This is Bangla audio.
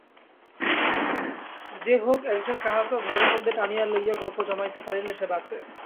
যে হোক একজন কাহাকেও ঘরের মধ্যে টানিয়া লইয়া গল্প জমাইতে পারিলে সে বাঁচে।